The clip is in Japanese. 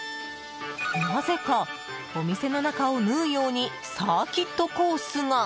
なぜか、お店の中を縫うようにサーキットコースが。